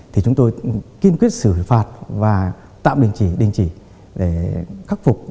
thì chúng tôi kiên quyết xử phạt và tạm đình chỉ đình chỉ để khắc phục